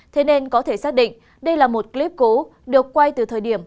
thế nên có thể xác định đây là một clip cố được quay từ thời điểm